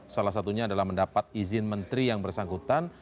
salah satunya adalah mendapat izin menteri yang bersangkutan